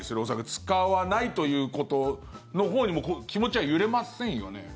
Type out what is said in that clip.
使わないということのほうに気持ちは揺れませんよね。